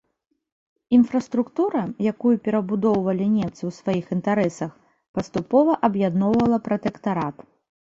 Інфраструктура, якую перабудоўвалі немцы ў сваіх інтарэсах, паступова аб'ядноўвала пратэктарат.